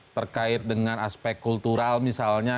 terkait dengan aspek kultural misalnya